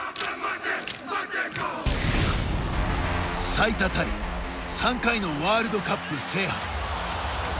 最多タイ、３回のワールドカップ制覇。